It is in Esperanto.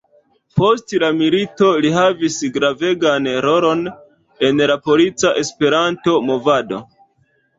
Post la milito li havis gravegan rolon en la polica Esperanto-movado.